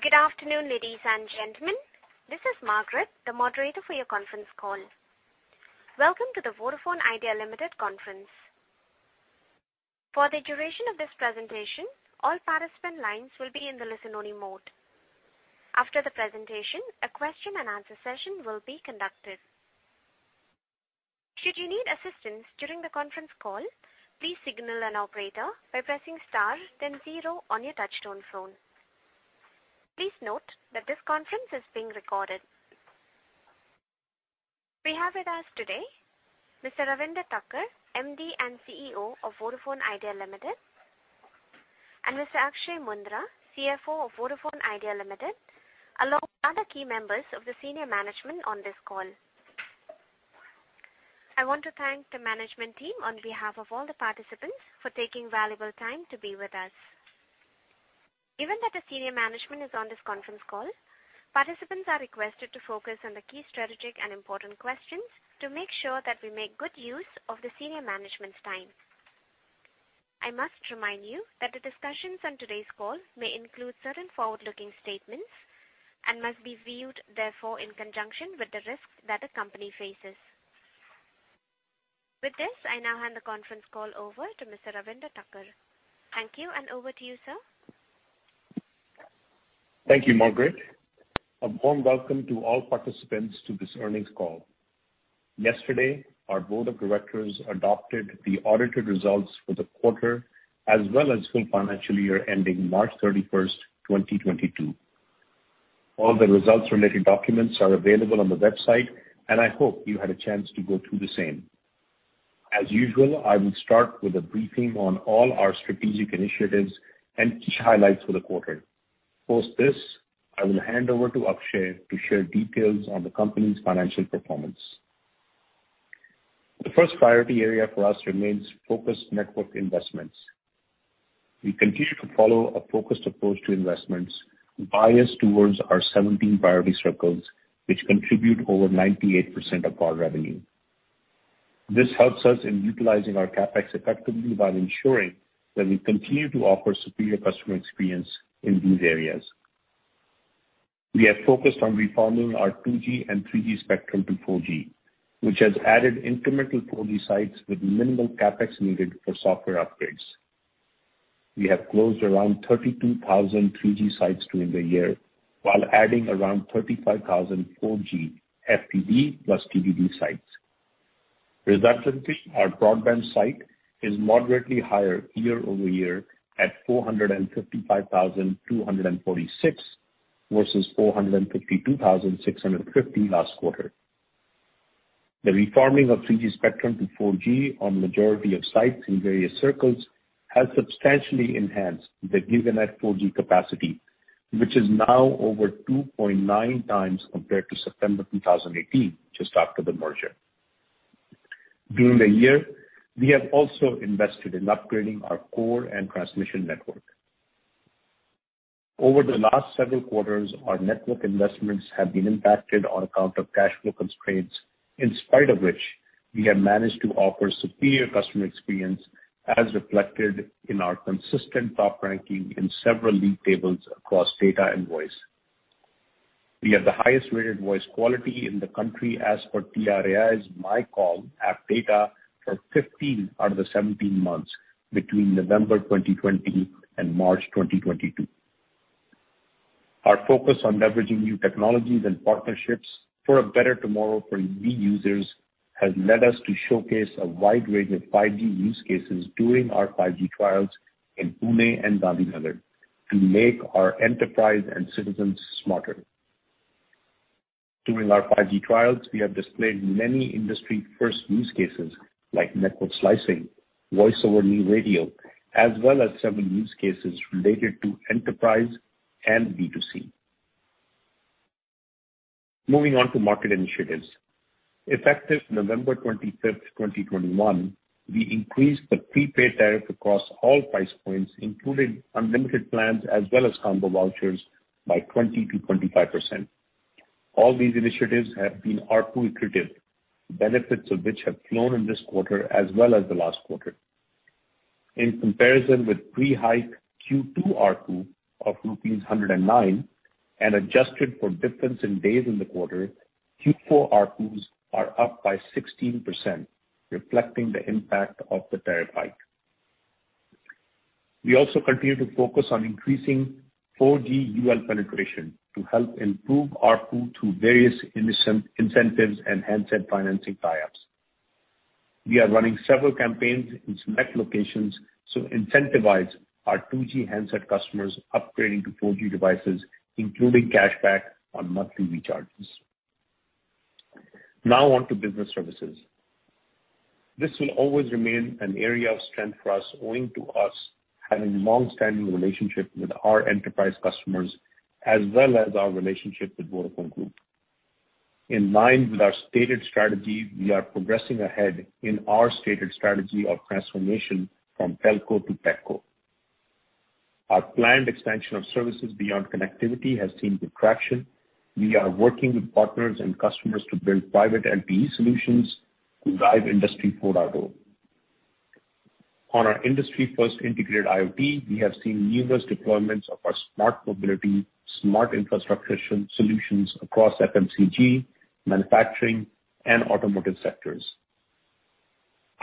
Good afternoon, ladies and gentlemen. This is Margaret, the moderator for your conference call. Welcome to the Vodafone Idea Limited conference. For the duration of this presentation, all participant lines will be in the listen only mode. After the presentation, a question-and-answer session will be conducted. Should you need assistance during the conference call, please signal an operator by pressing star then zero on your touchtone phone. Please note that this conference is being recorded. We have with us today Mr. Ravinder Takkar, MD and CEO of Vodafone Idea Limited, and Mr. Akshaya Moondra, CFO of Vodafone Idea Limited, along with other key members of the senior management on this call. I want to thank the management team on behalf of all the participants for taking valuable time to be with us. Given that the senior management is on this conference call, participants are requested to focus on the key strategic and important questions to make sure that we make good use of the senior management's time. I must remind you that the discussions on today's call may include certain forward-looking statements and must be viewed therefore in conjunction with the risks that the company faces. With this, I now hand the conference call over to Mr. Ravinder Takkar. Thank you, and over to you, sir. Thank you, Margaret. A warm welcome to all participants to this earnings call. Yesterday, our board of directors adopted the audited results for the quarter as well as full financial year ending March 31, 2022. All the results related documents are available on the website, and I hope you had a chance to go through the same. As usual, I will start with a briefing on all our strategic initiatives and key highlights for the quarter. Post this, I will hand over to Akshaya to share details on the company's financial performance. The first priority area for us remains focused network investments. We continue to follow a focused approach to investments biased towards our 17 priority circles, which contribute over 98% of our revenue. This helps us in utilizing our CapEx effectively while ensuring that we continue to offer superior customer experience in these areas. We have focused on reforming our 2G and 3G spectrum to 4G, which has added incremental 4G sites with minimal CapEx needed for software upgrades. We have closed around 32,000 3G sites during the year while adding around 35,000 4G FDD plus TDD sites. Resultantly, our broadband site is moderately higher year-over-year at 455,246 versus 452,650 last quarter. The reforming of 3G spectrum to 4G on majority of sites in various circles has substantially enhanced the given net 4G capacity, which is now over 2.9x compared to September 2018, just after the merger. During the year, we have also invested in upgrading our core and transmission network. Over the last several quarters, our network investments have been impacted on account of cash flow constraints, in spite of which we have managed to offer superior customer experience, as reflected in our consistent top ranking in several league tables across data and voice. We have the highest rated voice quality in the country as per TRAI's MyCALL app data for 15 out of the 17 months between November 2020 and March 2022. Our focus on leveraging new technologies and partnerships for a better tomorrow for new users has led us to showcase a wide range of 5G use cases during our 5G trials in Pune and Delhi NCR to make our enterprise and citizens smarter. During our 5G trials, we have displayed many industry-first use cases like network slicing, voice over new radio, as well as several use cases related to enterprise and B2C. Moving on to market initiatives. Effective November 25, 2021, we increased the prepaid tariff across all price points, including unlimited plans as well as combo vouchers, by 20%-25%. All these initiatives have been ARPU accretive, benefits of which have flown in this quarter as well as the last quarter. In comparison with pre-hike Q2 ARPU of rupees 109 and adjusted for difference in days in the quarter, Q4 ARPUs are up by 16%, reflecting the impact of the tariff hike. We also continue to focus on increasing 4G UL penetration to help improve ARPU through various incentives and handset financing tie-ups. We are running several campaigns in select locations to incentivize our 2G handset customers upgrading to 4G devices, including cashback on monthly recharges. Now on to business services. This will always remain an area of strength for us, owing to us having long-standing relationship with our enterprise customers as well as our relationship with Vodafone Group. In line with our stated strategy, we are progressing ahead in our stated strategy of transformation from telco to techco. Our planned expansion of services beyond connectivity has seen good traction. We are working with partners and customers to build private NPE solutions to drive Industry 4.0. On our industry-first integrated IoT, we have seen numerous deployments of our smart mobility, smart infrastructure solutions across FMCG, manufacturing, and automotive sectors.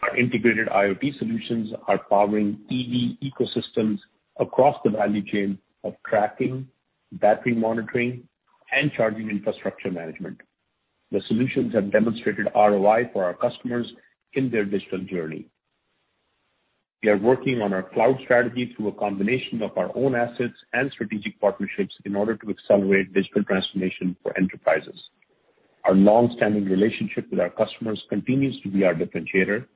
Our integrated IoT solutions are powering EV ecosystems across the value chain of tracking, battery monitoring, and charging infrastructure management. The solutions have demonstrated ROI for our customers in their digital journey. We are working on our cloud strategy through a combination of our own assets and strategic partnerships in order to accelerate digital transformation for enterprises. Our long-standing relationship with our customers continues to be our differentiator.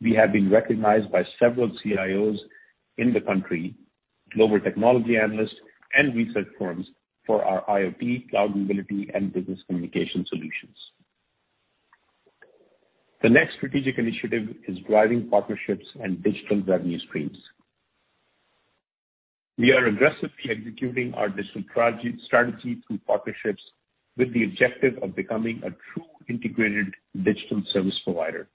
We have been recognized by several CIOs in the country, global technology analysts, and research firms for our IoT, cloud mobility, and business communication solutions. The next strategic initiative is driving partnerships and digital revenue streams. We are aggressively executing our digital strategy through partnerships with the objective of becoming a true integrated digital service provider.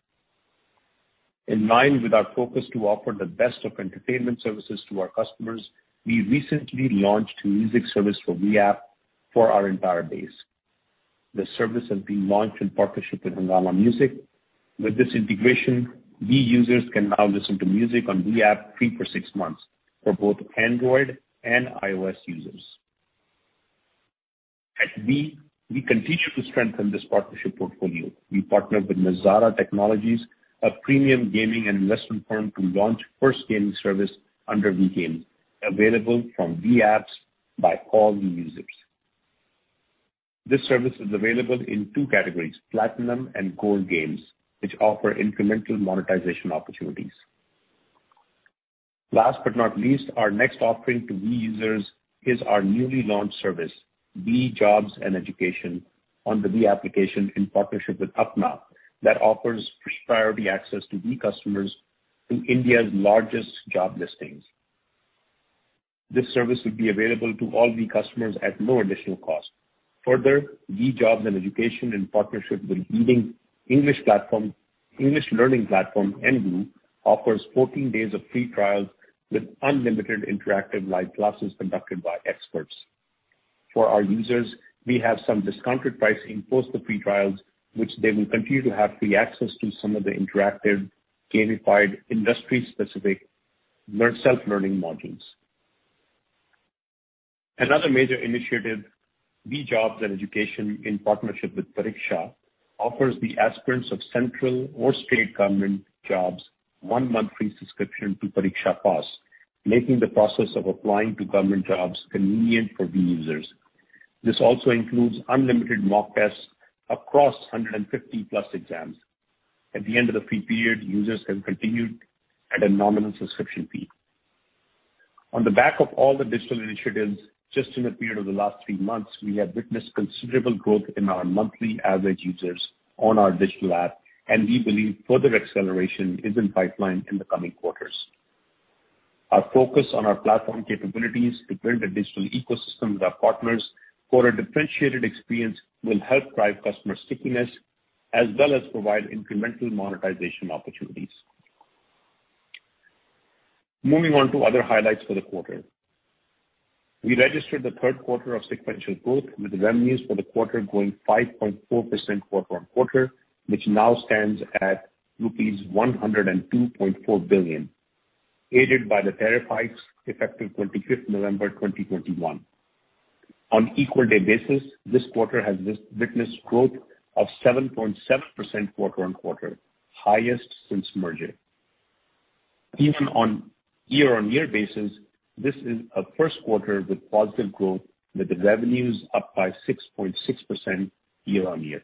In line with our focus to offer the best of entertainment services to our customers, we recently launched a music service for Vi App for our entire base. The service has been launched in partnership with Hungama Music. With this integration, Vi users can now listen to music on Vi App free for six months for both Android and iOS users. At Vi, we continue to strengthen this partnership portfolio. We partnered with Nazara Technologies, a premium gaming and investment firm, to launch first gaming service under Vi Games, available from Vi app for all Vi users. This service is available in two categories, platinum and gold games, which offer incremental monetization opportunities. Last but not least, our next offering to Vi users is our newly launched service, Vi Jobs & Education on the Vi app in partnership with Apna, that offers priority access to Vi customers to India's largest job listings. This service will be available to all Vi customers at no additional cost. Further, Vi Jobs & Education, in partnership with leading English platform, English learning platform Eng, offers 14 days of free trials with unlimited interactive live classes conducted by experts. For our users, we have some discounted pricing post the free trials, which they will continue to have free access to some of the interactive gamified industry-specific learn, self-learning modules. Another major initiative, Vi Jobs & Education, in partnership with Pariksha, offers the aspirants of central or state government jobs 1 month free subscription to Pariksha Pass, making the process of applying to government jobs convenient for Vi users. This also includes unlimited mock tests across 150+ exams. At the end of the free period, users can continue at a nominal subscription fee. On the back of all the digital initiatives, just in the period of the last three months, we have witnessed considerable growth in our monthly average users on our digital app, and we believe further acceleration is in pipeline in the coming quarters. Our focus on our platform capabilities to build a digital ecosystem with our partners for a differentiated experience will help drive customer stickiness, as well as provide incremental monetization opportunities. Moving on to other highlights for the quarter. We registered the Q3 of sequential growth, with revenues for the quarter growing 5.4% quarter-on-quarter, which now stands at rupees 102.4 billion, aided by the tariff hikes effective 25th November 2021. On ex-day basis, this quarter has witnessed growth of 7.7% quarter-on-quarter, highest since merger. Even on year-on-year basis, this is a Q1 with positive growth, with the revenues up by 6.6% year-on-year.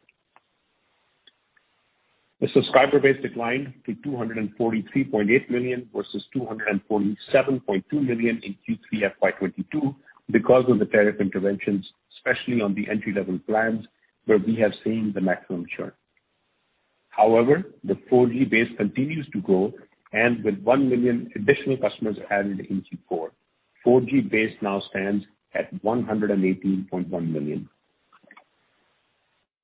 The subscriber base declined to 243.8 million versus 247.2 million in Q3 FY 2022 because of the tariff interventions, especially on the entry-level plans, where we have seen the maximum churn. However, the 4G base continues to grow, and with 1 million additional customers added in Q4, 4G base now stands at 118.1 million.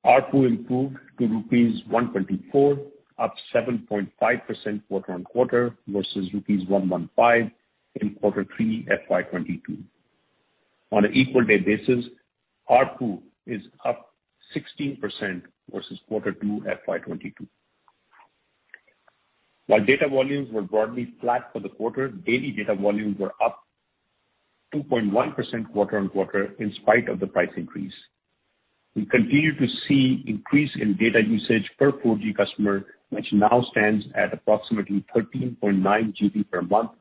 ARPU improved to rupees 124, up 7.5% quarter-on-quarter versus rupees 115 in Q3 FY 2022. On an equal day basis, ARPU is up 16% versus Q2 FY 2022. While data volumes were broadly flat for the quarter, daily data volumes were up 2.1% quarter-on-quarter in spite of the price increase. We continue to see increase in data usage per 4G customer, which now stands at approximately 13.9 GB per month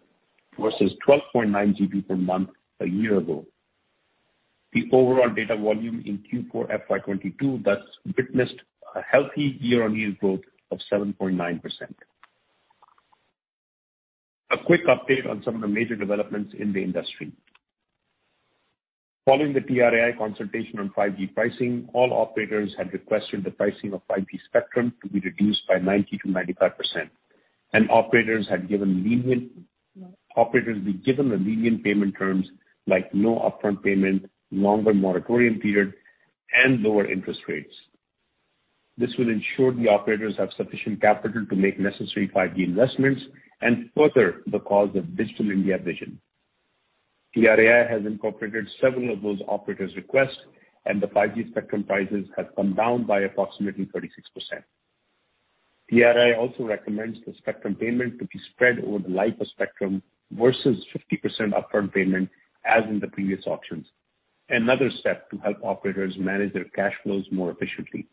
versus 12.9 GB per month a year ago. The overall data volume in Q4 FY 2022 thus witnessed a healthy year-on-year growth of 7.9%. A quick update on some of the major developments in the industry. Following the TRAI consultation on 5G pricing, all operators had requested the pricing of 5G spectrum to be reduced by 90%-95%, and operators had given lenient. Operators be given a lenient payment terms like no upfront payment, longer moratorium period, and lower interest rates. This will ensure the operators have sufficient capital to make necessary 5G investments and further the cause of Digital India vision. TRAI has incorporated several of those operators' requests, and the 5G spectrum prices have come down by approximately 36%. TRAI also recommends the spectrum payment to be spread over the life of spectrum versus 50% upfront payment as in the previous auctions, another step to help operators manage their cash flows more efficiently.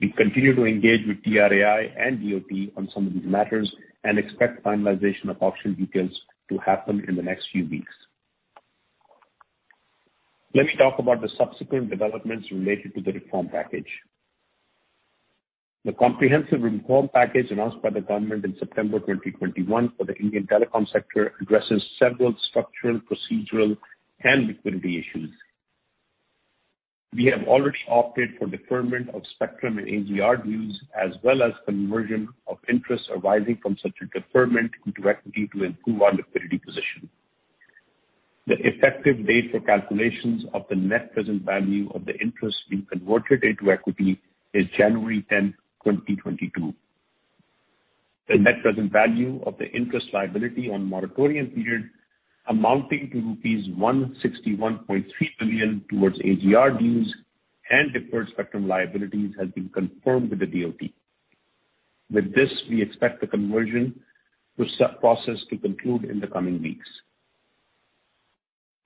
We continue to engage with TRAI and DoT on some of these matters and expect finalization of auction details to happen in the next few weeks. Let me talk about the subsequent developments related to the reform package. The comprehensive reform package announced by the government in September 2021 for the Indian telecom sector addresses several structural, procedural, and liquidity issues. We have already opted for deferment of spectrum and AGR dues, as well as conversion of interest arising from such a deferment into equity to improve our liquidity position. The effective date for calculations of the net present value of the interest being converted into equity is January 10, 2022. The net present value of the interest liability on moratorium period amounting to rupees 161.3 billion towards AGR dues and deferred spectrum liabilities has been confirmed with the DoT. With this, we expect the conversion to settlement process to conclude in the coming weeks.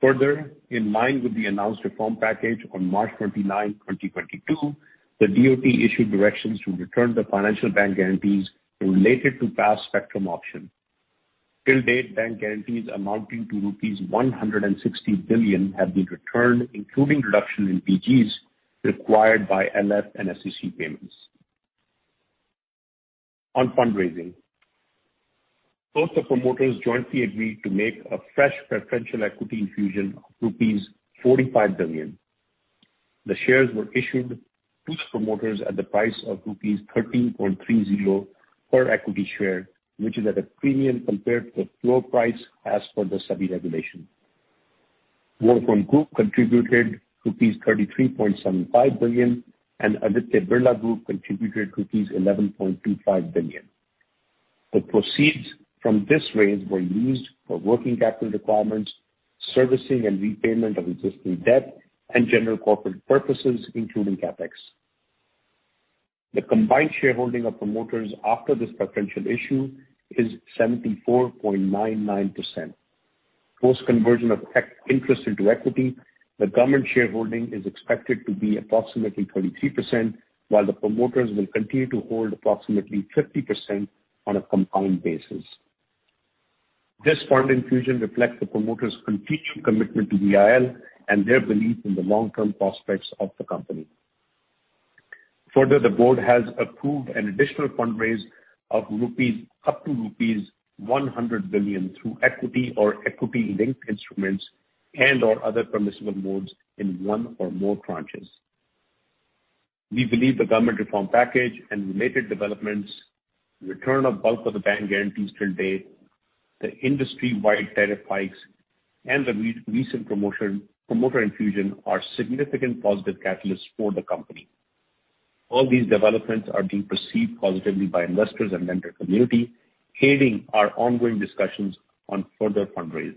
Further, in line with the announced reform package on March 29, 2022, the DoT issued directions to return the financial bank guarantees related to past spectrum auction. Till date, bank guarantees amounting to rupees 160 billion have been returned, including reduction in PGs required by LF and SUC payments. On fundraising. Both the promoters jointly agreed to make a fresh preferential equity infusion of rupees 45 billion. The shares were issued to promoters at the price of rupees 13.30 per equity share, which is at a premium compared to the floor price as per the SEBI regulation. Vodafone Group contributed rupees 33.75 billion, and Aditya Birla Group contributed rupees 11.25 billion. The proceeds from this raise were used for working capital requirements, servicing and repayment of existing debt, and general corporate purposes, including CapEx. The combined shareholding of promoters after this preferential issue is 74.99%. Post conversion of interest into equity, the government shareholding is expected to be approximately 33%, while the promoters will continue to hold approximately 50% on a compound basis. This fund infusion reflects the promoters' continued commitment to VI and their belief in the long-term prospects of the company. Further, the board has approved an additional fundraise of up to rupees 100 billion through equity or equity-linked instruments and/or other permissible modes in one or more tranches. We believe the government reform package and related developments, return of bulk of the bank guarantees till date, the industry-wide tariff hikes, and the recent promoter infusion are significant positive catalysts for the company. All these developments are being perceived positively by investors and lending community, aiding our ongoing discussions on further fundraise.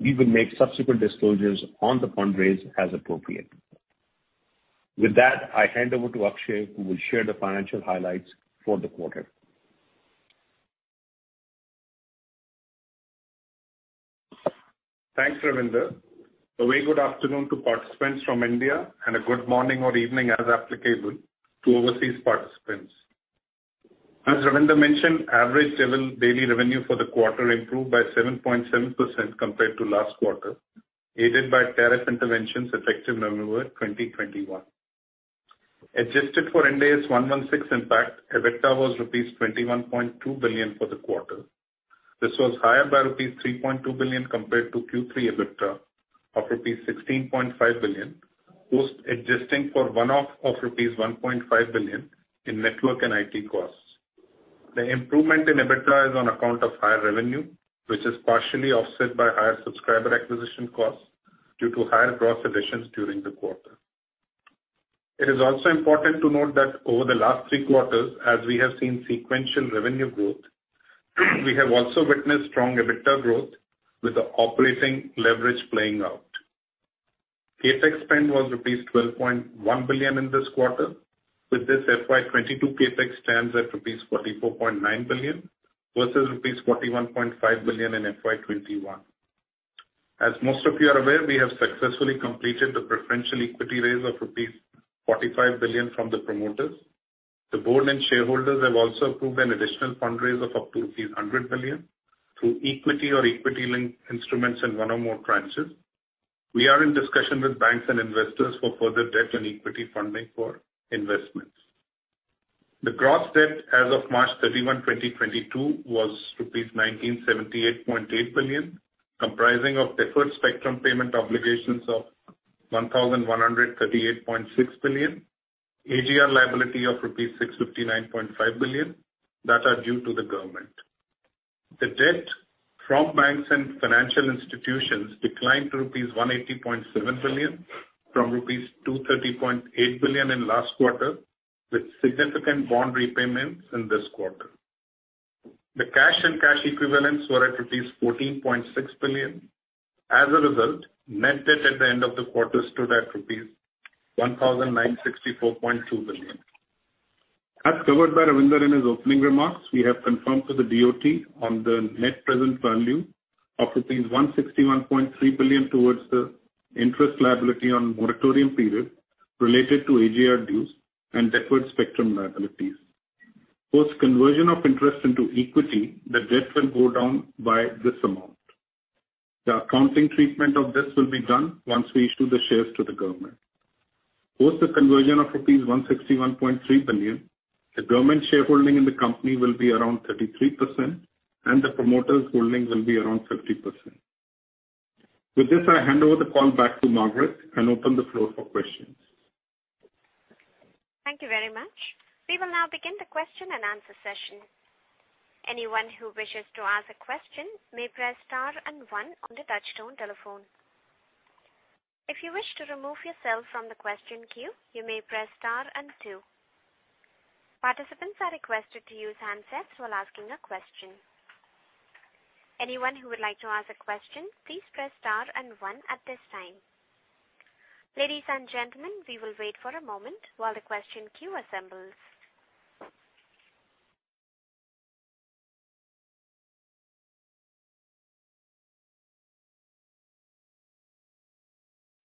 We will make subsequent disclosures on the fundraise as appropriate. With that, I hand over to Akshaya, who will share the financial highlights for the quarter. Thanks, Ravinder. A very good afternoon to participants from India and a good morning or evening as applicable to overseas participants. As Ravinder mentioned, average daily revenue for the quarter improved by 7.7% compared to last quarter, aided by tariff interventions effective November 2021. Adjusted for Ind AS 116 impact, EBITDA was rupees 21.2 billion for the quarter. This was higher by rupees 3.2 billion compared to Q3 EBITDA of rupees 16.5 billion, post-adjusting for one-off of rupees 1.5 billion in network and IT costs. The improvement in EBITDA is on account of higher revenue, which is partially offset by higher subscriber acquisition costs due to higher gross additions during the quarter. It is also important to note that over the last three quarters, as we have seen sequential revenue growth, we have also witnessed strong EBITDA growth with the operating leverage playing out. CapEx spend was rupees 12.1 billion in this quarter, with this FY 2022 CapEx stands at rupees 44.9 billion versus rupees 41.5 billion in FY 2021. As most of you are aware, we have successfully completed the preferential equity raise of rupees 45 billion from the promoters. The board and shareholders have also approved an additional fundraise of up to rupees 100 billion through equity or equity-linked instruments in one or more tranches. We are in discussion with banks and investors for further debt and equity funding for investments. The gross debt as of March 31, 2022 was INR 1,978.8 billion, comprising of deferred spectrum payment obligations of 1,138.6 billion, AGR liability of INR 659.5 billion that are due to the government. The debt from banks and financial institutions declined to rupees 180.7 billion from rupees 230.8 billion in last quarter, with significant bond repayments in this quarter. The cash and cash equivalents were at rupees 14.6 billion. As a result, net debt at the end of the quarter stood at rupees 1,964.2 billion. As covered by Ravinder in his opening remarks, we have confirmed to the DoT on the net present value of rupees 161.3 billion towards the interest liability on moratorium period related to AGR dues and backward spectrum liabilities. Post conversion of interest into equity, the debt will go down by this amount. The accounting treatment of this will be done once we issue the shares to the government. Post the conversion of rupees 161.3 billion, the government shareholding in the company will be around 33% and the promoters' holdings will be around 50%. With this, I hand over the call back to Margaret and open the floor for questions. Thank you very much. We will now begin the question-and-answer session. Anyone who wishes to ask a question may press star and one on the touchtone telephone. If you wish to remove yourself from the question queue, you may press star and two. Participants are requested to use handsets while asking a question. Anyone who would like to ask a question, please press star and one at this time. Ladies and gentlemen, we will wait for a moment while the question queue assembles.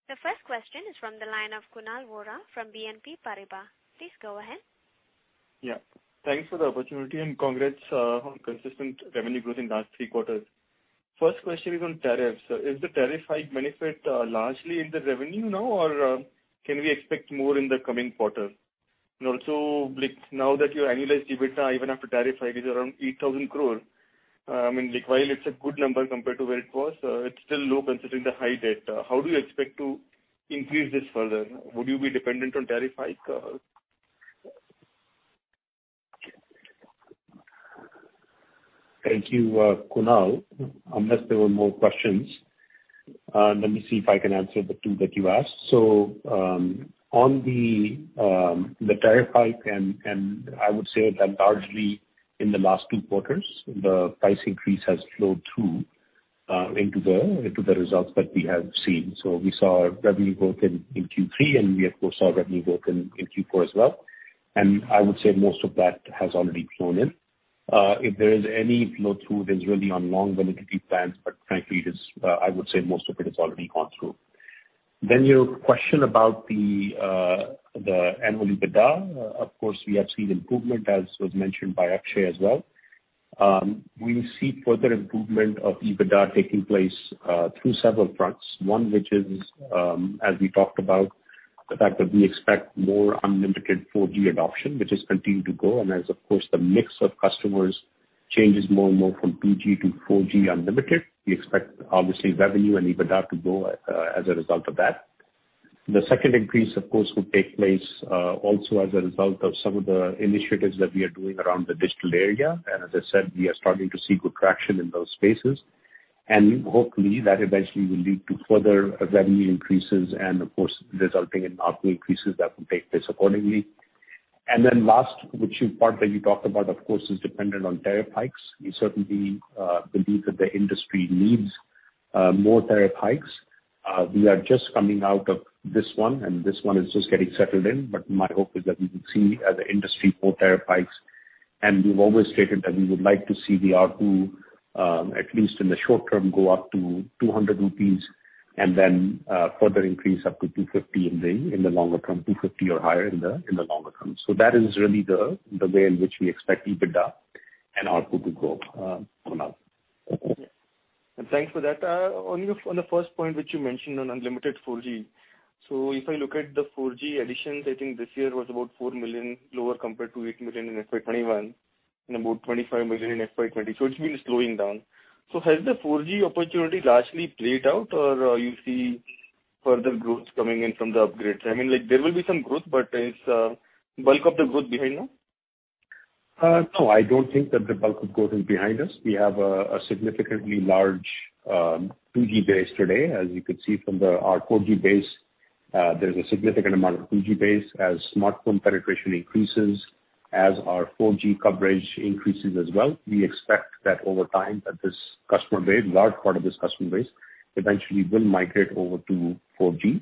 The first question is from the line of Kunal Vora from BNP Paribas. Please go ahead. Yeah. Thanks for the opportunity and congrats on consistent revenue growth in last three quarters. First question is on tariffs. Is the tariff hike benefit largely in the revenue now, or can we expect more in the coming quarter? Also, like, now that your annualized EBITDA even after tariff hike is around 8,000 crore, and like, while it's a good number compared to where it was, it's still low considering the high debt. How do you expect to increase this further? Would you be dependent on tariff hikes? Thank you, Kunal. Unless there were more questions, let me see if I can answer the two that you asked. On the tariff hike and I would say that largely in the last two quarters, the price increase has flowed through into the results that we have seen. We saw revenue growth in Q3, and we, of course, saw revenue growth in Q4 as well. I would say most of that has already flown in. If there is any flow-through, that's really on long validity plans, but frankly it is, I would say most of it has already gone through. Your question about the annual EBITDA. Of course, we have seen improvement as was mentioned by Akshaya as well. We see further improvement of EBITDA taking place through several fronts. One, which is, as we talked about, the fact that we expect more unlimited 4G adoption, which has continued to grow. As of course, the mix of customers changes more and more from 2G to 4G unlimited, we expect obviously revenue and EBITDA to grow, as a result of that. The second increase, of course, will take place, also as a result of some of the initiatives that we are doing around the digital area. As I said, we are starting to see good traction in those spaces. Hopefully, that eventually will lead to further revenue increases and of course, resulting in ARPU increases that will take place accordingly. Then last, which is part that you talked about, of course, is dependent on tariff hikes. We certainly believe that the industry needs more tariff hikes. We are just coming out of this one, and this one is just getting settled in. My hope is that we will see as an industry more tariff hikes. We've always stated that we would like to see the ARPU, at least in the short term, go up to 200 rupees and then, further increase up to 250 in the longer term, 250 or higher in the longer term. That is really the way in which we expect EBITDA and ARPU to grow, for now. Thanks for that. On the first point, which you mentioned on unlimited 4G. If I look at the 4G additions, I think this year was about 4 million lower compared to 8 million in FY 2021 and about 25 million in FY 2020. It's been slowing down. Has the 4G opportunity largely played out, or you see further growth coming in from the upgrades? I mean, like, there will be some growth, but is bulk of the growth behind now? No, I don't think that the bulk of growth is behind us. We have a significantly large 2G base today. As you could see from our 4G base, there's a significant amount of 2G base. As smartphone penetration increases, as our 4G coverage increases as well, we expect that over time that this customer base, large part of this customer base, eventually will migrate over to 4G.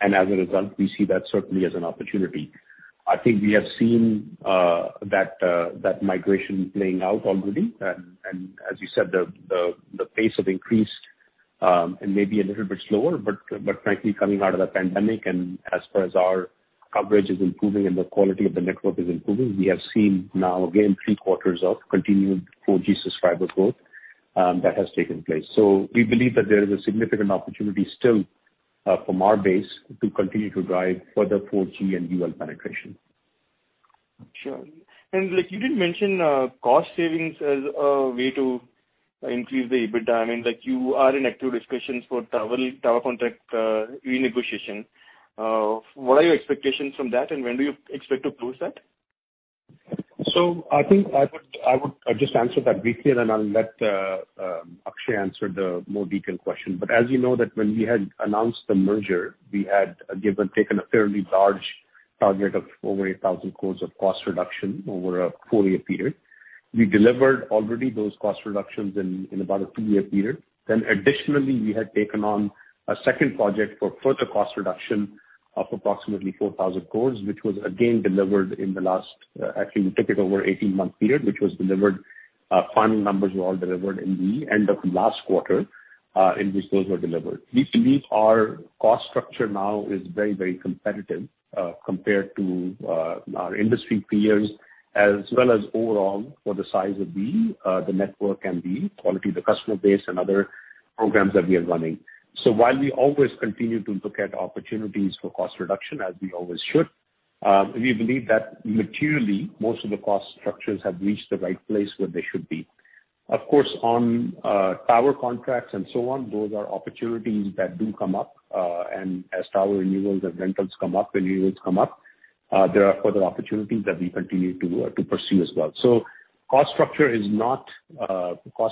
As a result, we see that certainly as an opportunity. I think we have seen that migration playing out already. As you said, the pace of increase, it may be a little bit slower, but frankly, coming out of the pandemic and as far as our coverage is improving and the quality of the network is improving, we have seen now, again, three quarters of continued 4G subscriber growth, that has taken place. We believe that there is a significant opportunity still, from our base to continue to drive further 4G and data penetration. Sure. Like you did mention, cost savings as a way to increase the EBITDA. I mean, like you are in active discussions for tower contract renegotiation. What are your expectations from that, and when do you expect to close that? I think I would just answer that briefly, and I'll let Akshaya answer the more detailed question. As you know that when we had announced the merger, we had taken a fairly large target of over 8,000 crore of cost reduction over a four-year period. We delivered already those cost reductions in about a two-year period. Additionally, we had taken on a second project for further cost reduction of approximately 4,000 crore, which was again delivered in the last. Actually, we took it over 18-month period, which was delivered, final numbers were all delivered in the end of last quarter, in which those were delivered. We believe our cost structure now is very, very competitive, compared to our industry peers, as well as overall for the size of the network and the quality of the customer base and other programs that we are running. While we always continue to look at opportunities for cost reduction, as we always should, we believe that materially most of the cost structures have reached the right place where they should be. Of course, on tower contracts and so on, those are opportunities that do come up, and as tower renewals and rentals come up, there are further opportunities that we continue to pursue as well. Cost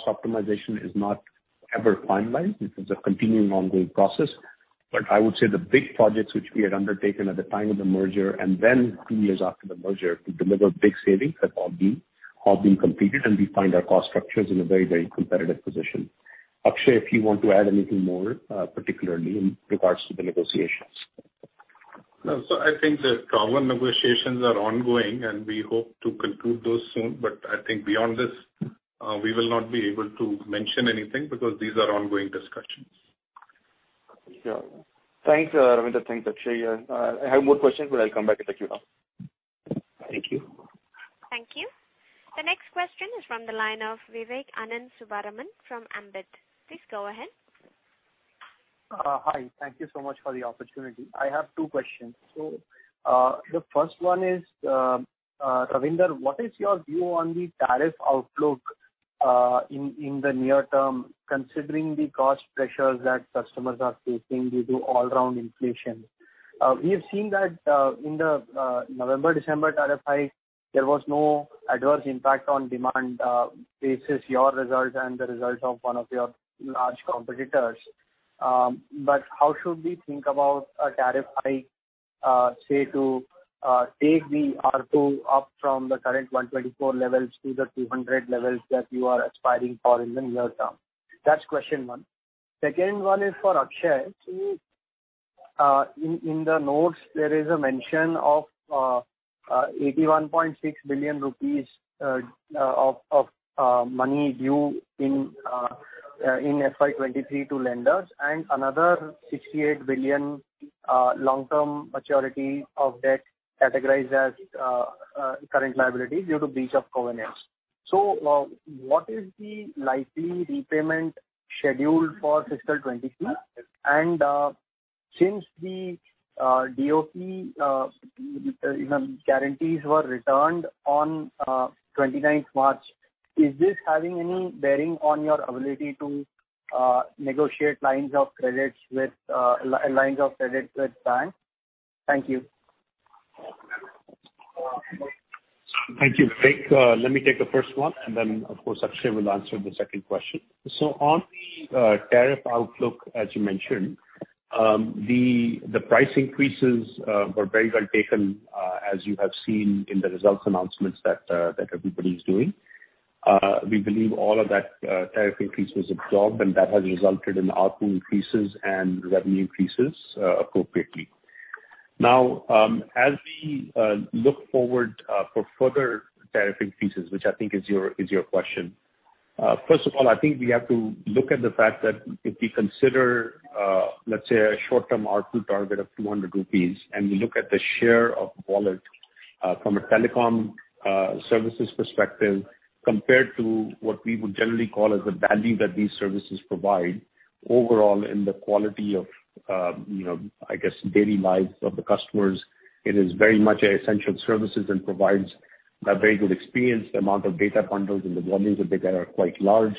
optimization is not ever finalized. It is a continuing ongoing process. I would say the big projects which we had undertaken at the time of the merger and then two years after the merger to deliver big savings have all been completed, and we find our cost structures in a very, very competitive position. Akshaya, if you want to add anything more, particularly in regards to the negotiations. No. I think the tower negotiations are ongoing, and we hope to conclude those soon. I think beyond this, we will not be able to mention anything because these are ongoing discussions. Sure. Thanks, Ravinder. Thanks, Akshaya. I have more questions, but I'll come back in the queue now. Thank you. Thank you. The next question is from the line of Vivekanand Subbaraman from Ambit. Please go ahead. Hi. Thank you so much for the opportunity. I have two questions. The first one is, Ravinder, what is your view on the tariff outlook, in the near term, considering the cost pressures that customers are facing due to all-round inflation? We have seen that, in the November-December tariff hike, there was no adverse impact on demand, basis your results and the results of one of your large competitors. How should we think about a tariff hike, say to take the ARPU up from the current 124 levels to the 200 levels that you are aspiring for in the near term? That's question one. Second one is for Akshaya. In the notes, there is a mention of 81.6 billion rupees of money due in FY 2023 to lenders, and another 68 billion long-term maturity of debt categorized as current liability due to breach of covenants. What is the likely repayment schedule for fiscal 2023? Since the DoT guarantees were returned on twenty-ninth March, is this having any bearing on your ability to negotiate lines of credit with banks? Thank you. Thank you, Vivek. Let me take the first one, and then of course, Akshay will answer the second question. On the tariff outlook, as you mentioned, the price increases were very well taken, as you have seen in the results announcements that everybody is doing. We believe all of that tariff increase was absorbed, and that has resulted in ARPU increases and revenue increases appropriately. Now, as we look forward for further tariff increases, which I think is your question. First of all, I think we have to look at the fact that if we consider, let's say a short-term ARPU target of 200 rupees, and we look at the share of wallet, from a telecom services perspective, compared to what we would generally call as the value that these services provide overall in the quality of, you know, I guess, daily lives of the customers, it is very much an essential services and provides a very good experience. The amount of data bundles and the volumes of data are quite large.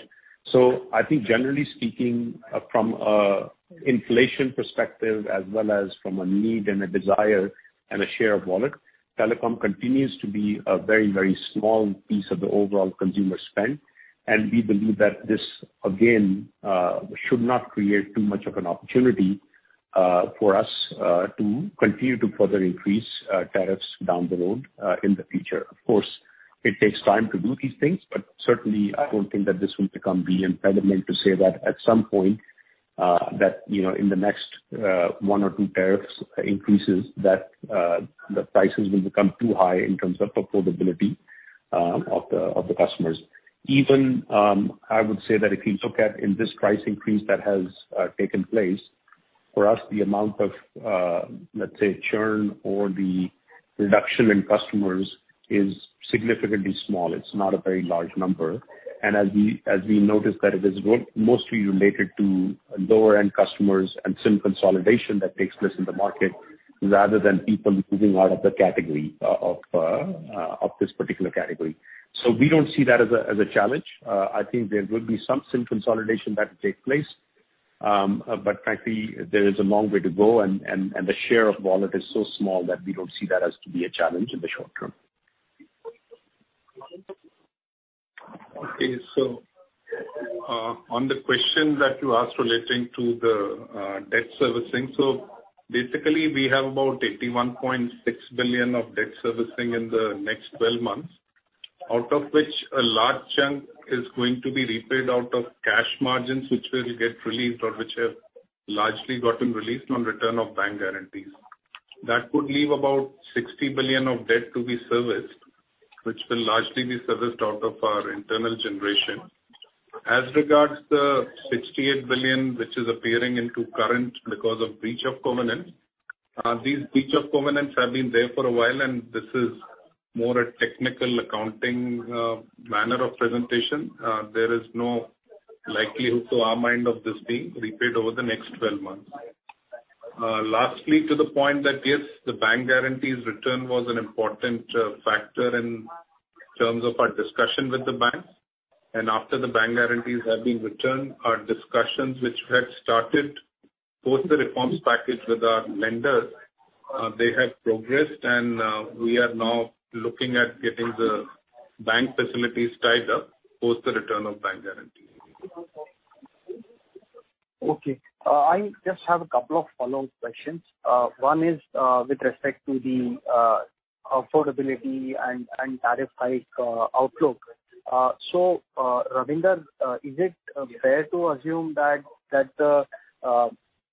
I think generally speaking, from an inflation perspective as well as from a need and a desire and a share of wallet, telecom continues to be a very, very small piece of the overall consumer spend. We believe that this again should not create too much of an opportunity for us to continue to further increase tariffs down the road in the future. Of course, it takes time to do these things, but certainly I don't think that this will become the impediment to say that at some point you know in the next 1 or 2 tariff increases that the prices will become too high in terms of affordability of the customers. Even I would say that if you look at in this price increase that has taken place, for us the amount of let's say churn or the reduction in customers is significantly small. It's not a very large number. As we notice that it is mostly related to lower-end customers and SIM consolidation that takes place in the market, rather than people moving out of the category of this particular category. We don't see that as a challenge. I think there will be some SIM consolidation that will take place. But frankly, there is a long way to go and the share of wallet is so small that we don't see that as to be a challenge in the short term. Okay. On the question that you asked relating to the debt servicing. Basically, we have about 81.6 billion of debt servicing in the next 12 months, out of which a large chunk is going to be repaid out of cash margins, which will get released or which have largely gotten released on return of bank guarantees. That would leave about 60 billion of debt to be serviced, which will largely be serviced out of our internal generation. As regards the 68 billion, which is appearing in current because of breach of covenant, these breach of covenants have been there for a while, and this is more a technical accounting manner of presentation. There is no likelihood to our mind of this being repaid over the next 12 months. Lastly, to the point that, yes, the bank guarantees return was an important factor in terms of our discussion with the banks. After the bank guarantees have been returned, our discussions which had started post the reforms package with our lenders, they have progressed and we are now looking at getting the bank facilities tied up post the return of bank guarantee. Okay. I just have a couple of follow-up questions. One is with respect to the affordability and tariff hike outlook. Ravinder, is it fair to assume that the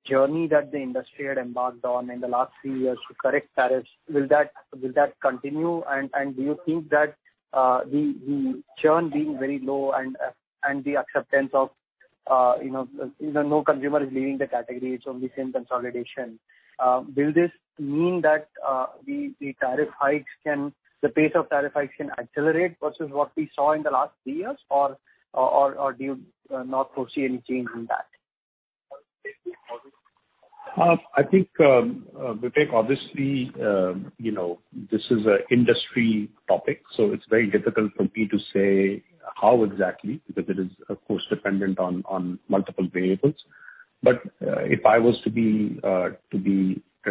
journey that the industry had embarked on in the last three years to correct tariffs, will that continue? And do you think that the churn being very low and the acceptance of you know you know no consumer is leaving the category, it's only seen consolidation. Will this mean that the pace of tariff hikes can accelerate versus what we saw in the last three years? Or do you not foresee any change in that? I think, Vivek, obviously, you know, this is an industry topic, so it's very difficult for me to say how exactly, because it is of course dependent on multiple variables. If I was to give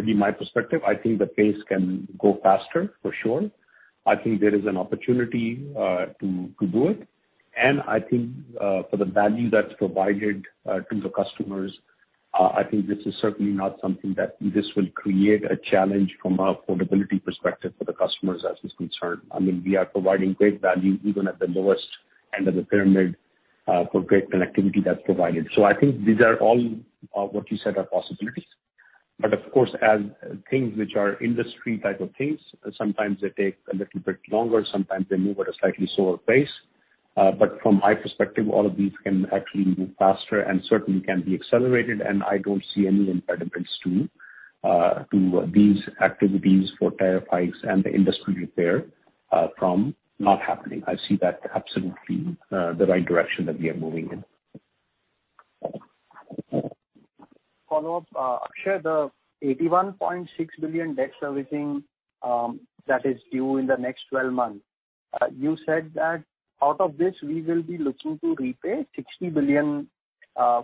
you my perspective, I think the pace can go faster for sure. I think there is an opportunity to do it. I think, for the value that's provided to the customers, I think this is certainly not something that this will create a challenge from an affordability perspective for the customers as is concerned. I mean, we are providing great value even at the lowest end of the pyramid, for great connectivity that's provided. I think these are all what you said are possibilities. Of course, as things which are industry type of things, sometimes they take a little bit longer, sometimes they move at a slightly slower pace. From my perspective, all of these can actually move faster and certainly can be accelerated, and I don't see any impediments to these activities for tariff hikes and the industry repair from not happening. I see that absolutely the right direction that we are moving in. Follow-up. Akshaya Moondra, the 81.6 billion debt servicing that is due in the next 12 months, you said that out of this we will be looking to repay 60 billion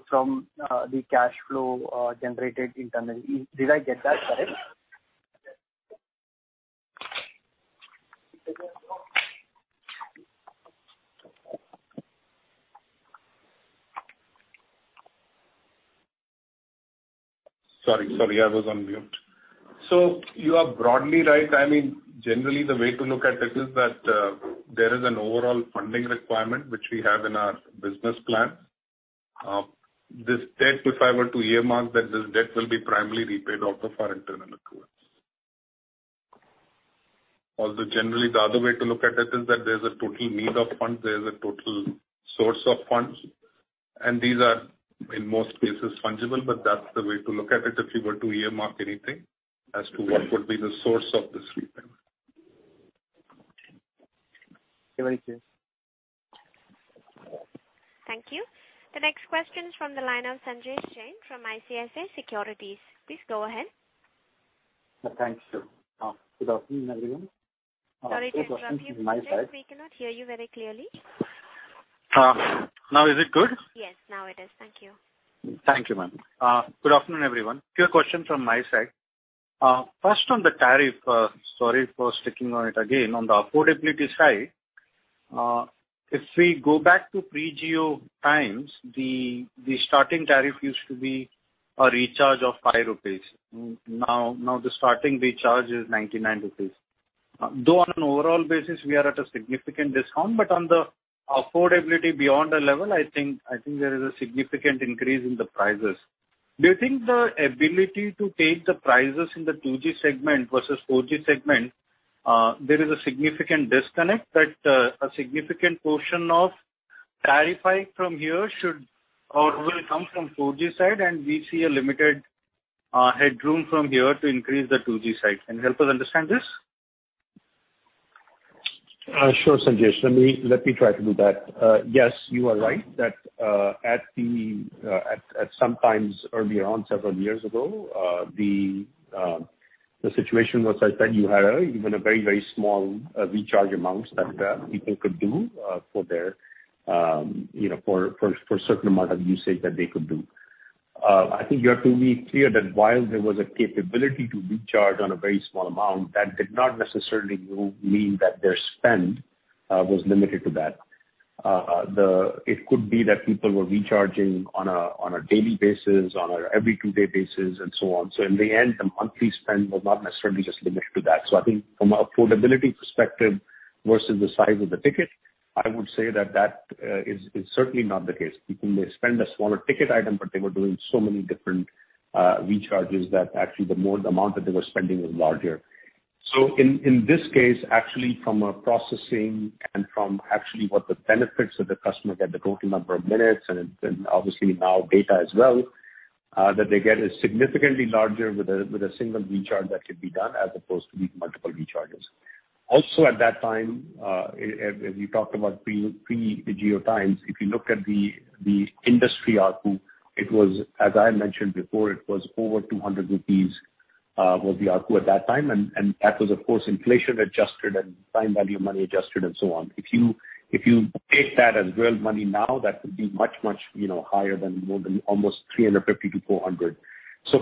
from the cash flow generated internally. Did I get that correct? Sorry, I was on mute. You are broadly right. I mean, generally the way to look at this is that there is an overall funding requirement which we have in our business plan. This debt, if I were to earmark that this debt will be primarily repaid out of our internal accruals. Although generally the other way to look at it is that there's a total need of funds, there's a total source of funds, and these are in most cases fungible, but that's the way to look at it if you were to earmark anything as to what would be the source of this repayment. Okay. Very clear. Thank you. The next question is from the line of Sanjesh Jain from ICICI Securities. Please go ahead. Thanks. Good afternoon, everyone. Sorry, just drop your- A few questions from my side. We cannot hear you very clearly. Now is it good? Yes, now it is. Thank you. Thank you, ma'am. Good afternoon, everyone. Few questions from my side. First on the tariff, sorry for sticking on it again. On the affordability side, if we go back to pre-Jio times, the starting tariff used to be a recharge of 5 rupees. Now the starting recharge is 99 rupees. Though on an overall basis we are at a significant discount, but on the affordability beyond the level, I think there is a significant increase in the prices. Do you think the ability to take the prices in the 2G segment versus 4G segment, there is a significant disconnect that a significant portion of tariff hike from here should or will come from 4G side and we see a limited headroom from here to increase the 2G side. Can you help us understand this? Sure, Sanjesh. Let me try to do that. Yes, you are right that at some times earlier on, several years ago, the situation was, as I said, you had even a very, very small recharge amount that people could do for their, you know, for a certain amount of usage that they could do. I think you have to be clear that while there was a capability to recharge on a very small amount, that did not necessarily mean that their spend was limited to that. It could be that people were recharging on a daily basis, on every two day basis, and so on. In the end, the monthly spend was not necessarily just limited to that. I think from a affordability perspective versus the size of the ticket, I would say that is certainly not the case. People may spend a smaller ticket item, but they were doing so many different recharges that actually the more the amount that they were spending was larger. In this case, actually from a processing and from actually what the benefits that the customer get, the total number of minutes and obviously now data as well that they get is significantly larger with a single recharge that could be done as opposed to these multiple recharges. Also at that time, as we talked about pre-Jio times, if you look at the industry ARPU, it was, as I mentioned before, it was over 200 rupees, was the ARPU at that time. That was of course, inflation adjusted and time value of money adjusted and so on. If you take that as real money now, that could be much, much, you know, higher than, more than almost 350-400.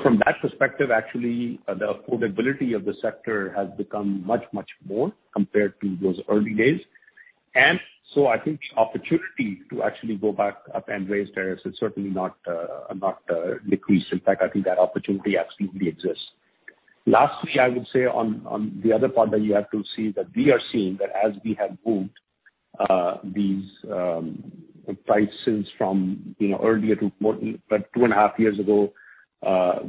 From that perspective, actually, the affordability of the sector has become much, much more compared to those early days. I think opportunity to actually go back up and raise tariffs is certainly not decreased. In fact, I think that opportunity absolutely exists. Lastly, I would say on the other part that you have to see that we are seeing that as we have moved these prices from, you know, earlier to more. About two and a half years ago,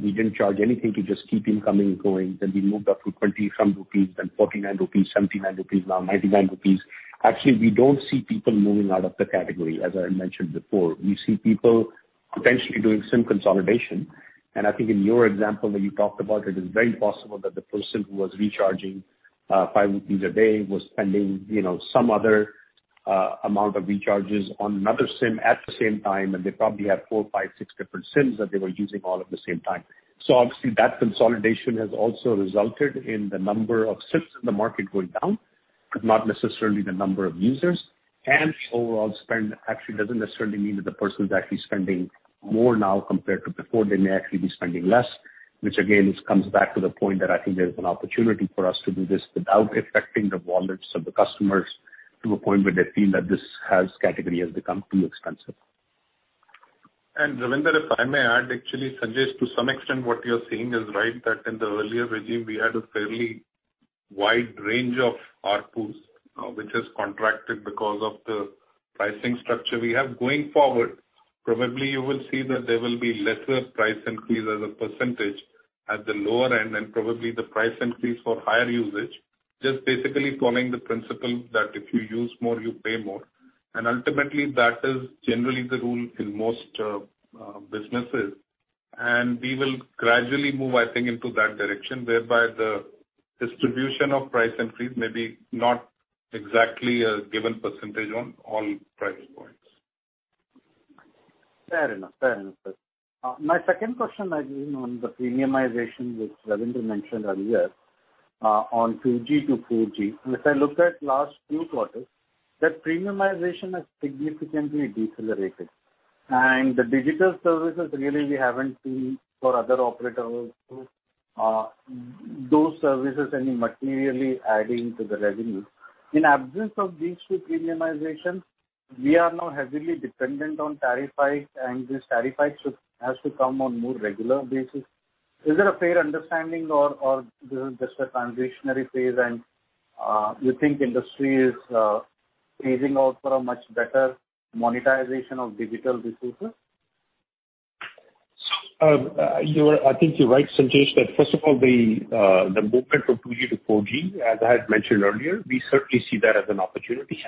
we didn't charge anything to just keep incoming and going. We moved up to 20-some rupees, then 49 rupees, 79 rupees, now 99 rupees. Actually, we don't see people moving out of the category, as I mentioned before. We see people potentially doing SIM consolidation, and I think in your example that you talked about, it is very possible that the person who was recharging 5 rupees a day was spending, you know, some other amount of recharges on another SIM at the same time, and they probably had four, five, six different SIMs that they were using all at the same time. Obviously that consolidation has also resulted in the number of SIMs in the market going down, but not necessarily the number of users. Overall spend actually doesn't necessarily mean that the person is actually spending more now compared to before. They may actually be spending less, which again comes back to the point that I think there's an opportunity for us to do this without affecting the wallets of the customers to a point where they feel that category has become too expensive. Ravinder, if I may add, actually, Sanjesh, to some extent what you're saying is right, that in the earlier regime we had a fairly wide range of ARPUs, which has contracted because of the pricing structure we have. Going forward, probably you will see that there will be lesser price increase as a percentage at the lower end, and probably the price increase for higher usage, just basically following the principle that if you use more, you pay more. Ultimately that is generally the rule in most businesses. We will gradually move, I think, into that direction, whereby the distribution of price increase may be not exactly a given percentage on all price points. Fair enough. My second question, Ravinder, on the premiumization, which Ravinder mentioned earlier, on 2G to 4G. If I look at last two quarters, that premiumization has significantly decelerated. The digital services, really we haven't seen for other operators, those services any materially adding to the revenue. In absence of these two premiumizations, we are now heavily dependent on tariff hikes, and these tariff hikes has to come on more regular basis. Is it a fair understanding or this is just a transitional phase and you think industry is phasing out for a much better monetization of digital resources? I think you're right, Sanjesh, that first of all, the movement from 2G to 4G, as I had mentioned earlier, we certainly see that as an opportunity.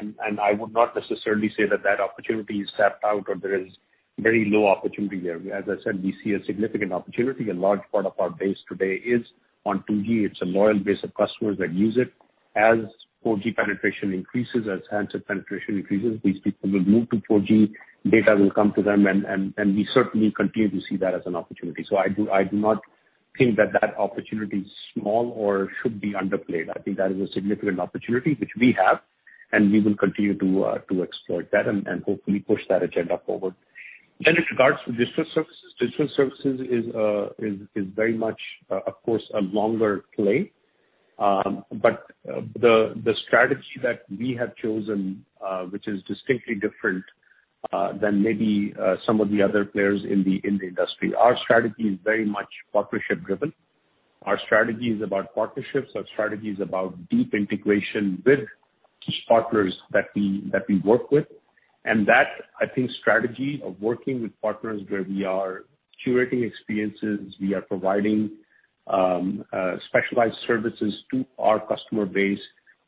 I would not necessarily say that that opportunity is tapped out or there is very low opportunity there. As I said, we see a significant opportunity. A large part of our base today is on 2G. It's a loyal base of customers that use it. As 4G penetration increases, as handset penetration increases, these people will move to 4G. Data will come to them and we certainly continue to see that as an opportunity. I do not think that that opportunity is small or should be underplayed. I think that is a significant opportunity which we have, and we will continue to exploit that and hopefully push that agenda forward. With regards to digital services, digital services is very much, of course, a longer play. The strategy that we have chosen, which is distinctly different than maybe some of the other players in the industry. Our strategy is very much partnership driven. Our strategy is about partnerships. Our strategy is about deep integration with partners that we work with. That, I think, strategy of working with partners where we are curating experiences, we are providing specialized services to our customer base,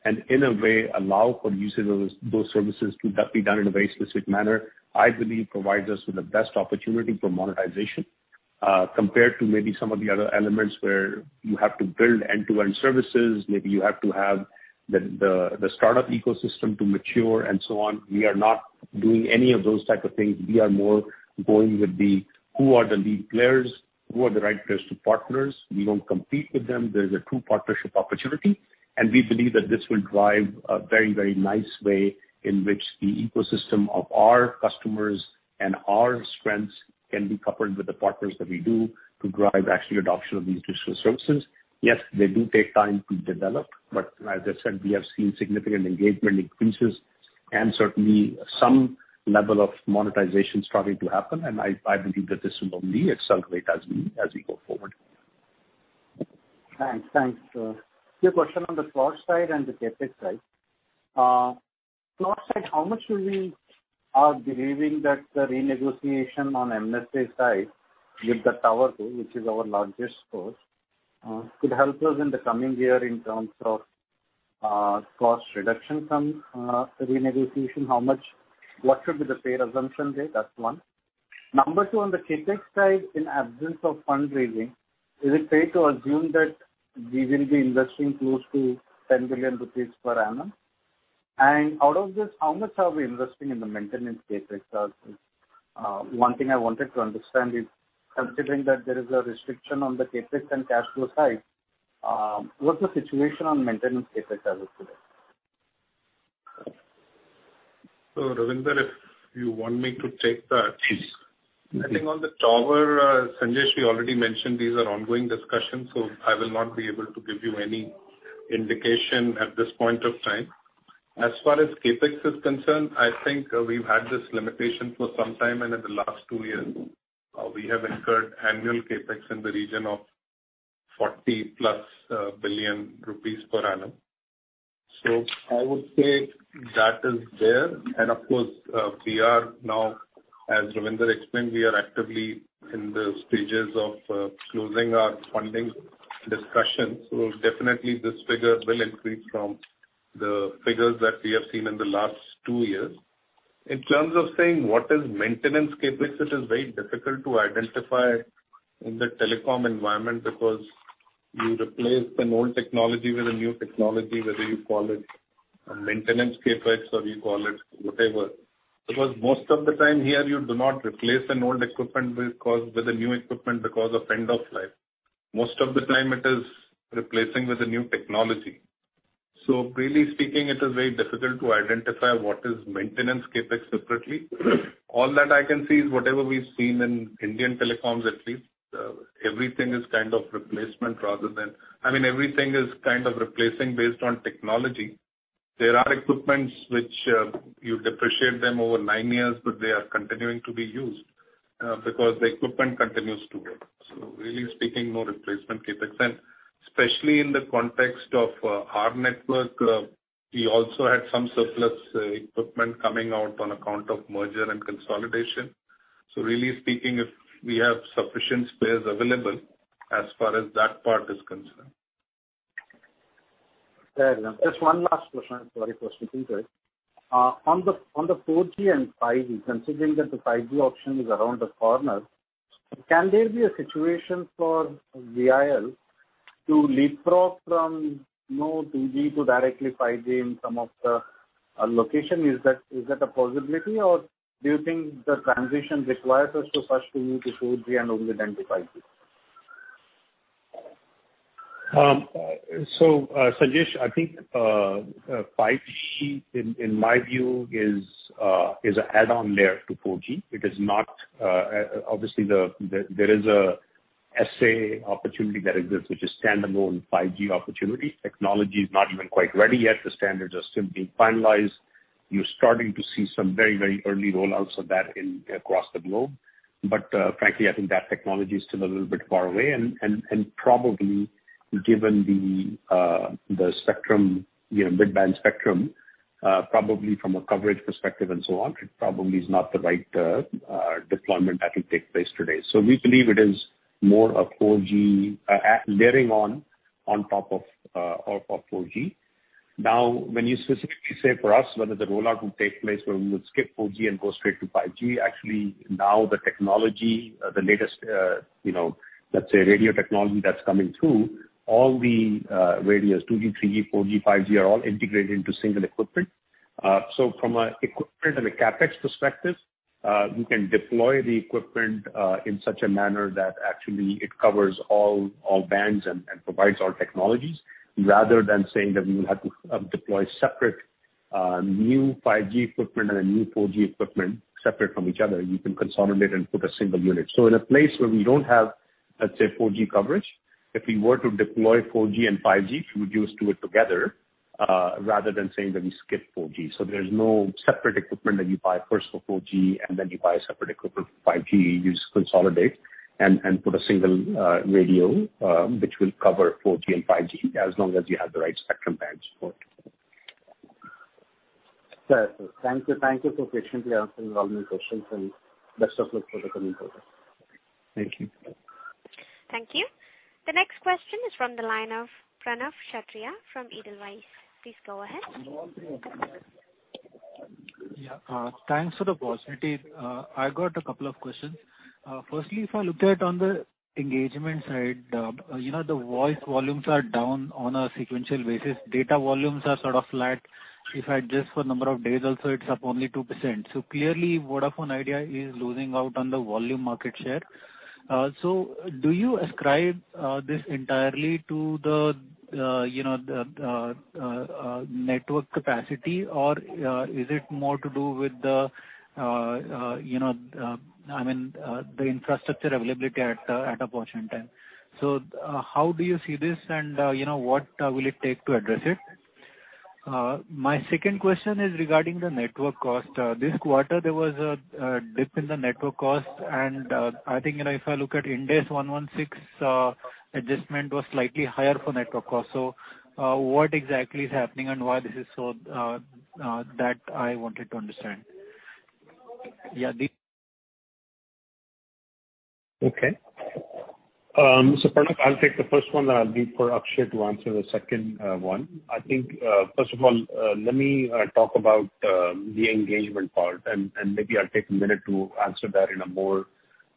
and in a way allow for users of those services to be done in a very specific manner, I believe provides us with the best opportunity for monetization. Compared to maybe some of the other elements where you have to build end-to-end services, maybe you have to have the startup ecosystem to mature and so on. We are not doing any of those type of things. We are more going with the who are the lead players, who are the right players to partners. We don't compete with them. There's a true partnership opportunity, and we believe that this will drive a very, very nice way in which the ecosystem of our customers and our strengths can be coupled with the partners that we do to drive actual adoption of these digital services. Yes, they do take time to develop, but as I said, we have seen significant engagement increases and certainly some level of monetization starting to happen. I believe that this will only accelerate as we go forward. Thanks. Thanks, sir. Two questions on the cost side and the CapEx side. Cost side, how much should we be believing that the renegotiation on MSA side with the tower, which is our largest cost, could help us in the coming year in terms of cost reduction from the renegotiation? What should be the fair assumption there? That's one. Number two, on the CapEx side, in absence of fundraising, is it fair to assume that we will be investing close to 10 billion rupees per annum? And out of this, how much are we investing in the maintenance CapEx? One thing I wanted to understand is considering that there is a restriction on the CapEx and cash flow side, what's the situation on maintenance CapEx as of today? Ravinder, if you want me to take that. Please. I think on the tower, Sanjesh, we already mentioned these are ongoing discussions, so I will not be able to give you any indication at this point of time. As far as CapEx is concerned, I think we've had this limitation for some time, and in the last two years, we have incurred annual CapEx in the region of 40+ billion rupees per annum. I would say that is there. Of course, we are now, as Ravinder explained, actively in the stages of closing our funding discussions. Definitely this figure will increase from the figures that we have seen in the last two years. In terms of saying what is maintenance CapEx, it is very difficult to identify in the telecom environment because you replace an old technology with a new technology, whether you call it a maintenance CapEx or you call it whatever. Because most of the time here you do not replace an old equipment with a new equipment because of end of life. Most of the time it is replacing with a new technology. Really speaking, it is very difficult to identify what is maintenance CapEx separately. All that I can see is whatever we've seen in Indian telecoms at least, everything is kind of replacement rather than. I mean, everything is kind of replacing based on technology. There are equipments which, you depreciate them over nine years, but they are continuing to be used, because the equipment continues to work. Really speaking, no replacement CapEx. Especially in the context of our network, we also had some surplus equipment coming out on account of merger and consolidation. Really speaking, if we have sufficient spares available as far as that part is concerned. Fair enough. Just one last question. Sorry for speaking, sir. On the 4G and 5G, considering that the 5G auction is around the corner, can there be a situation for VIL to leapfrog from, you know, 2G to directly 5G in some of the location? Is that a possibility or do you think the transition requires us to first move to 4G and only then to 5G? Sanjesh, I think 5G in my view is an add-on layer to 4G. It is not obviously. There is a SA opportunity that exists, which is standalone 5G opportunity. Technology is not even quite ready yet. The standards are still being finalized. You are starting to see some very early rollouts of that across the globe. Frankly, I think that technology is still a little bit far away. Probably given the spectrum, you know, mid-band spectrum, probably from a coverage perspective and so on, it probably is not the right deployment that will take place today. We believe it is more a 4G layering on top of 4G. Now, when you specifically say for us whether the rollout will take place where we would skip 4G and go straight to 5G. Actually, now the technology, the latest, you know, let's say radio technology that's coming through, all the radios, 2G, 3G, 4G, 5G are all integrated into single equipment. So from a equipment and a CapEx perspective, we can deploy the equipment in such a manner that actually it covers all bands and provides all technologies, rather than saying that we will have to deploy separate new 5G equipment and a new 4G equipment separate from each other. You can consolidate and put a single unit. In a place where we don't have, let's say, 4G coverage, if we were to deploy 4G and 5G, we would do it together rather than saying that we skip 4G. There's no separate equipment that you buy first for 4G and then you buy a separate equipment for 5G. You just consolidate and put a single radio which will cover 4G and 5G as long as you have the right spectrum bands for it. Fair, sir. Thank you. Thank you for patiently answering all my questions and best of luck for the coming quarter. Thank you. Thank you. The next question is from the line of Pranav Kshatriya from Edelweiss. Please go ahead. Yeah. Thanks for the opportunity. I got a couple of questions. Firstly, if I look at the engagement side, you know, the voice volumes are down on a sequential basis. Data volumes are sort of flat. If I adjust for number of days also, it's up only 2%. Clearly Vodafone Idea is losing out on the volume market share. Do you ascribe this entirely to the network capacity or is it more to do with you know, I mean, the infrastructure availability at a particular time? How do you see this and you know, what will it take to address it? My second question is regarding the network cost. This quarter there was a dip in the network cost and, I think, you know, if I look at Ind AS 116, adjustment was slightly higher for network cost. What exactly is happening and why this is so, that I wanted to understand. Okay. Pranav, I'll take the first one, and I'll leave for Akshaya to answer the second one. I think first of all, let me talk about the engagement part and maybe I'll take a minute to answer that in a more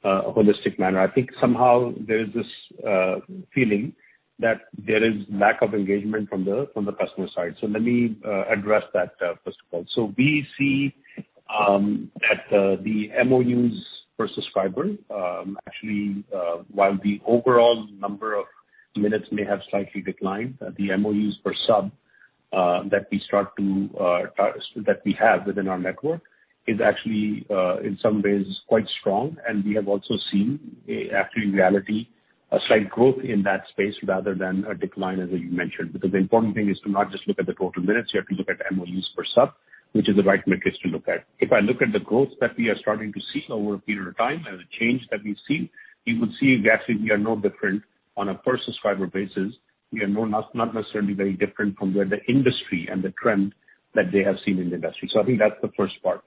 holistic manner. I think somehow there is this feeling that there is lack of engagement from the customer side. Let me address that first of all. We see at the MOUs per subscriber actually while the overall number of minutes may have slightly declined, the MOUs per sub that we have within our network is actually in some ways quite strong. We have also seen, actually in reality, a slight growth in that space rather than a decline, as you mentioned, because the important thing is to not just look at the total minutes. You have to look at MOUs per sub, which is the right metrics to look at. If I look at the growth that we are starting to see over a period of time and the change that we see, you would see actually we are no different on a per subscriber basis. We are not necessarily very different from where the industry and the trend that they have seen in the industry. So I think that's the first part.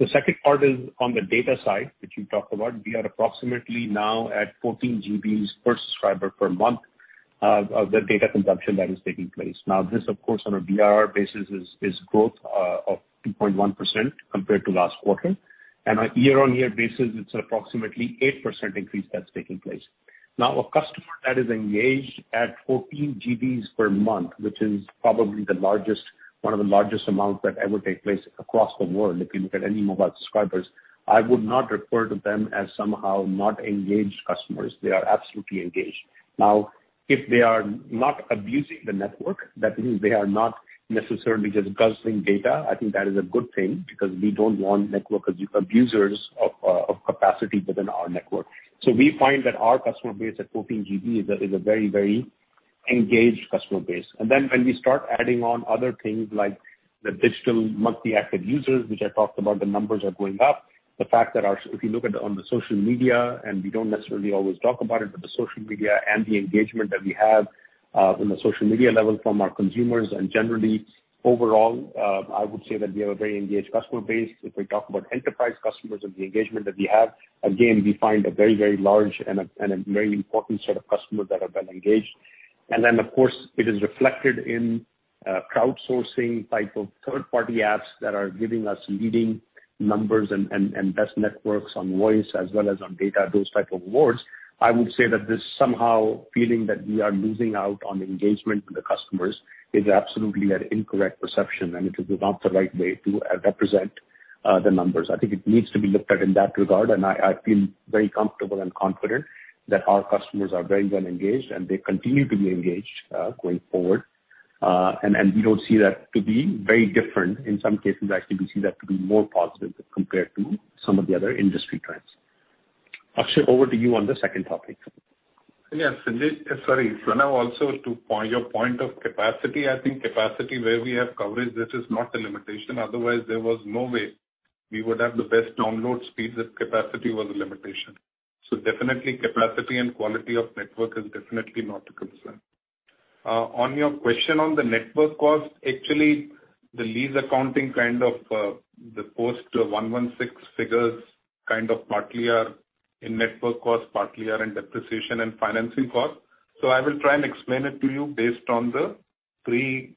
The second part is on the data side, which you talked about. We are approximately now at 14 GBs per subscriber per month, the data consumption that is taking place. Now, this of course on a BR basis is growth of 2.1% compared to last quarter. On a year-on-year basis, it's approximately 8% increase that's taking place. Now, a customer that is engaged at 14 GBs per month, which is probably the largest, one of the largest amounts that ever take place across the world, if you look at any mobile subscribers, I would not refer to them as somehow not engaged customers. They are absolutely engaged. Now, if they are not abusing the network, that means they are not necessarily just guzzling data. I think that is a good thing because we don't want network abusers of capacity within our network. We find that our customer base at 14 GB is a very, very engaged customer base. When we start adding on other things like the digital monthly active users, which I talked about, the numbers are going up. The fact that if you look at, on the social media, and we don't necessarily always talk about it, but the social media and the engagement that we have on the social media level from our consumers and generally overall, I would say that we have a very engaged customer base. If we talk about enterprise customers and the engagement that we have, again, we find a very large and a very important set of customers that have been engaged. Of course it is reflected in crowdsourcing type of third-party apps that are giving us leading numbers and best networks on voice as well as on data, those type of awards. I would say that this somehow feeling that we are losing out on engagement with the customers is absolutely an incorrect perception, and it is not the right way to represent the numbers. I think it needs to be looked at in that regard, and I feel very comfortable and confident that our customers are very well engaged, and they continue to be engaged going forward. We don't see that to be very different. In some cases, actually, we see that to be more positive compared to some of the other industry trends. Akshaya, over to you on the second topic. Yes, Sanjesh. Sorry, Pranav. Also to your point of capacity. I think capacity where we have coverage, this is not the limitation. Otherwise, there was no way we would have the best download speed if capacity was a limitation. Definitely capacity and quality of network is definitely not a concern. On your question on the network cost, actually the lease accounting kind of, the post Ind AS 116 figures kind of partly are in network cost, partly are in depreciation and financing cost. I will try and explain it to you based on the pre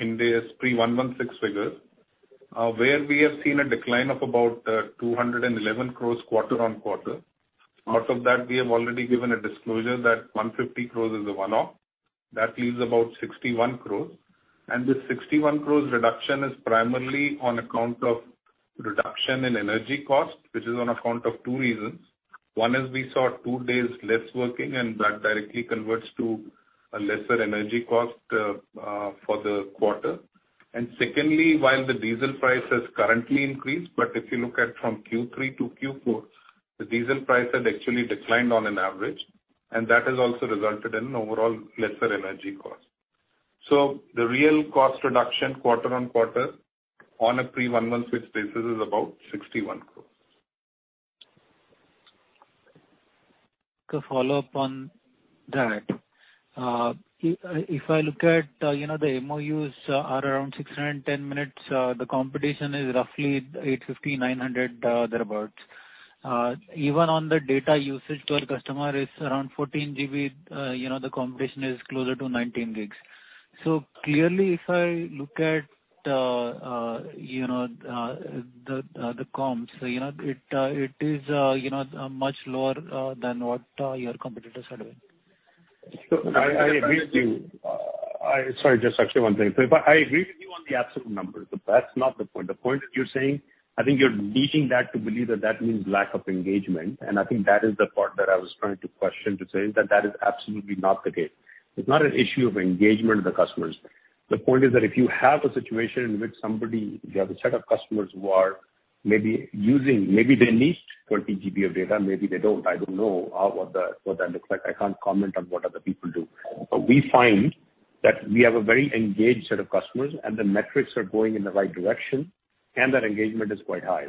Ind AS, pre Ind AS 116 figures, where we have seen a decline of about 211 crore quarter-over-quarter. Out of that, we have already given a disclosure that 150 crore is a one-off. That leaves about 61 crore. This 61 crore reduction is primarily on account of reduction in energy cost, which is on account of two reasons. One is we saw two days less working, and that directly converts to a lesser energy cost for the quarter. Secondly, while the diesel price has currently increased, but if you look at from Q3-Q4, the diesel price had actually declined on an average, and that has also resulted in an overall lesser energy cost. The real cost reduction quarter-on-quarter on a pre Ind AS 116 basis is about INR 61 crore. A follow-up on that. If I look at, you know, the MOUs are around 610 minutes. The competition is roughly 850, 900 thereabouts. Even on the data usage to our customer is around 14 GB. You know, the competition is closer to 19 GB. Clearly, if I look at, you know, the comps, you know, it is, you know, much lower than what your competitors are doing. I agree with you. Sorry, just Akshay, one thing. I agree with you on the absolute numbers, but that's not the point. The point that you're saying, I think you're leading us to believe that that means lack of engagement. I think that is the part that I was trying to question, to say that that is absolutely not the case. It's not an issue of engagement of the customers. The point is that if you have a situation in which you have a set of customers who are maybe using, maybe they each 20 GB of data, maybe they don't. I don't know what that looks like. I can't comment on what other people do. We find that we have a very engaged set of customers, and the metrics are going in the right direction, and that engagement is quite high.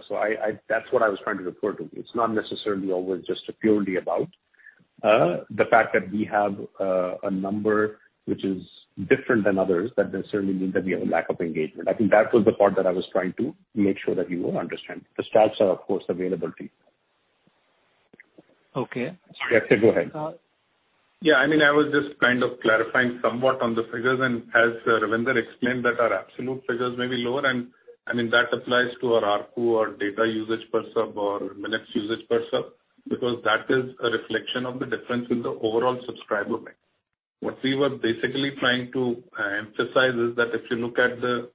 That's what I was trying to refer to. It's not necessarily always just purely about the fact that we have a number which is different than others, that doesn't certainly mean that we have a lack of engagement. I think that was the part that I was trying to make sure that you understand. The stats are, of course, available to you. Okay. Yeah. Akshaya, go ahead. Yeah, I mean, I was just kind of clarifying somewhat on the figures, and as Ravinder explained that our absolute figures may be lower, and I mean, that applies to our ARPU, our data usage per sub, our minutes usage per sub, because that is a reflection of the difference in the overall subscriber mix. What we were basically trying to emphasize is that if you look at the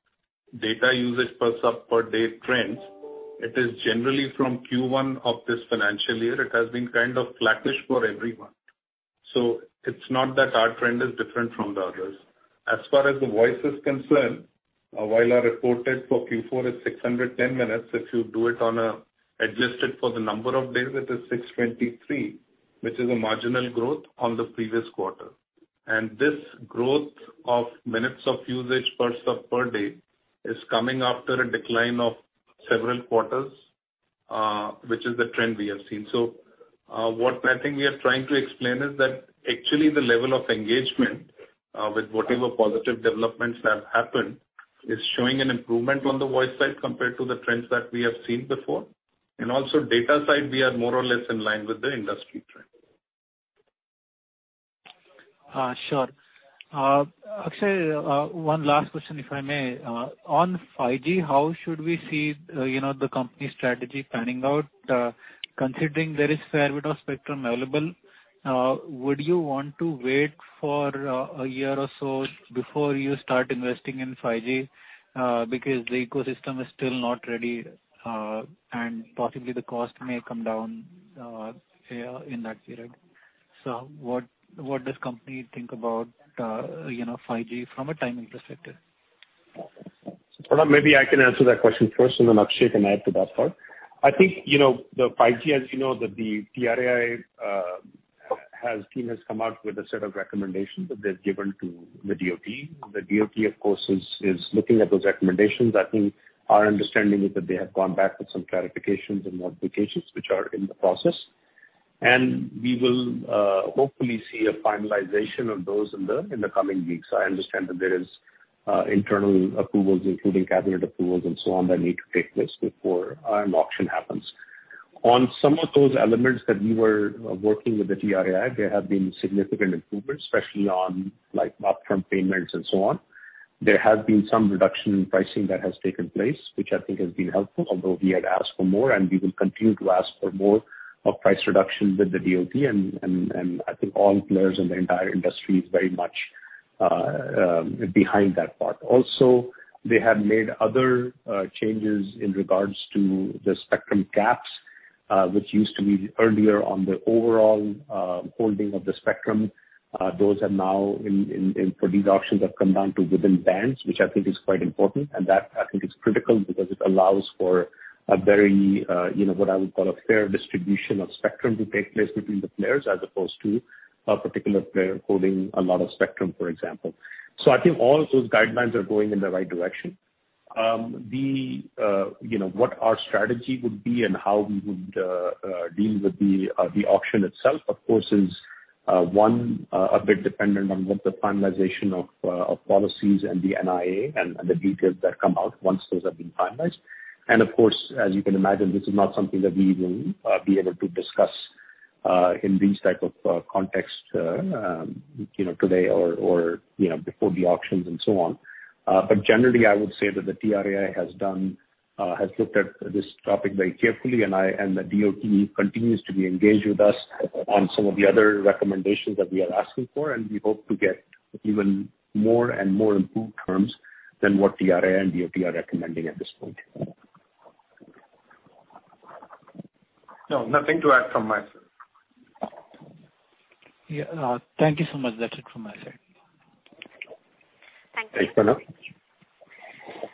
data usage per sub per day trends, it is generally from Q1 of this financial year, it has been kind of flattish for everyone. So it's not that our trend is different from the others. As far as the voice is concerned, while our reported for Q4 is 610 minutes, if you do it on an adjusted for the number of days, it is 623, which is a marginal growth on the previous quarter. This growth of minutes of usage per sub per day is coming after a decline of several quarters, which is the trend we have seen. What I think we are trying to explain is that actually the level of engagement with whatever positive developments that happened is showing an improvement on the voice side compared to the trends that we have seen before. Also data side, we are more or less in line with the industry trend. Sure. Akshaya, one last question, if I may. On 5G, how should we see, you know, the company's strategy panning out? Considering there is fair bit of spectrum available, would you want to wait for a year or so before you start investing in 5G, because the ecosystem is still not ready, and possibly the cost may come down in that period. What does company think about, you know, 5G from a timing perspective? Pranav, maybe I can answer that question first, and then Akshaya can add to that part. I think, the 5G, as you know, that the TRAI team has come out with a set of recommendations that they've given to the DoT. The DoT, of course, is looking at those recommendations. I think our understanding is that they have gone back with some clarifications and modifications, which are in the process. We will hopefully see a finalization of those in the coming weeks. I understand that there is internal approvals, including cabinet approvals and so on, that need to take place before an auction happens. On some of those elements that we were working with the TRAI, there have been significant improvements, especially on like upfront payments and so on. There has been some reduction in pricing that has taken place, which I think has been helpful, although we had asked for more, and we will continue to ask for more, price reduction with the DoT and I think all players in the entire industry is very much behind that part. Also, they have made other changes in regards to the spectrum caps, which used to be earlier on the overall holding of the spectrum. Those are now in for these auctions have come down to within bands, which I think is quite important. That I think is critical because it allows for a very, you know, what I would call a fair distribution of spectrum to take place between the players as opposed to a particular player holding a lot of spectrum, for example. I think all of those guidelines are going in the right direction. You know what our strategy would be and how we would deal with the auction itself, of course, is a bit dependent on what the finalization of policies and the NIA and the details that come out once those have been finalized. Of course, as you can imagine, this is not something that we will be able to discuss in this type of context, you know, today or you know before the auctions and so on. Generally, I would say that the TRAI has looked at this topic very carefully, and the DoT continues to be engaged with us on some of the other recommendations that we are asking for, and we hope to get even more and more improved terms than what TRAI and DoT are recommending at this point. No, nothing to add from my side. Yeah. Thank you so much. That's it from my side. Thanks, Pranav.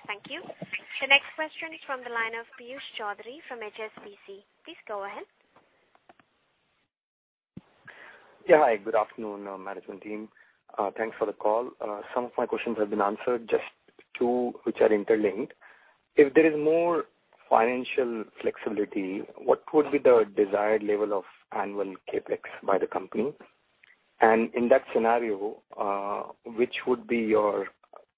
Thank you. The next question is from the line of Piyush Choudhary from HSBC. Please go ahead. Yeah. Hi, good afternoon, management team. Thanks for the call. Some of my questions have been answered, just two which are interlinked. If there is more financial flexibility, what would be the desired level of annual CapEx by the company? In that scenario, which would be your